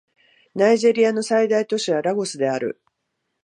ナイジェリアの最大都市はラゴスである